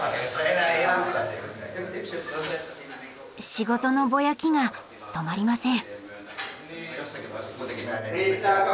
仕事のぼやきが止まりません。